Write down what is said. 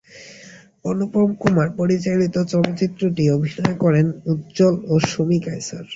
অনুপ কুমার পরিচালিত চলচ্চিত্রটিতে অভিনয় করেন উজ্জ্বল এবং শমী কায়সার।